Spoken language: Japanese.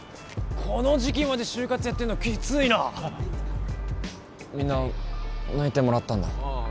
この時期まで就活やってんのきついなみんな内定もらったんだあ